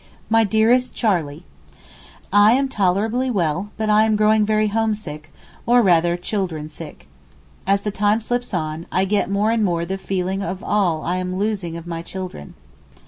MY DEAREST CHARLEY, I am tolerably well, but I am growing very homesick—or rather children sick. As the time slips on I get more and more the feeling of all I am losing of my children.